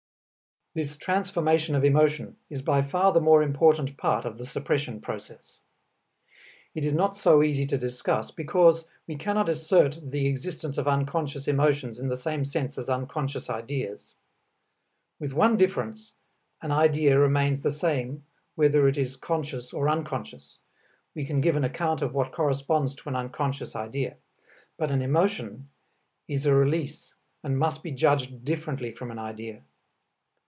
This transformation of emotion is by far the more important part of the suppression process. It is not so easy to discuss, because we cannot assert the existence of unconscious emotions in the same sense as unconscious ideas. With one difference, an idea remains the same whether it is conscious or unconscious; we can give an account of what corresponds to an unconscious idea. But an emotion is a release and must be judged differently from an idea.